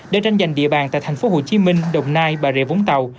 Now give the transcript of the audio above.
để tranh giành địa bàn tại thành phố hồ chí minh đồng nai bà rịa vũng tàu